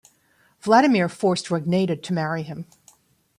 Vladimir forced Rogneda to marry him.